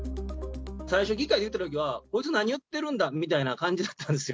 最初、議会でいったときはこいつ何言ってるんだみたいな感じだったんですよ。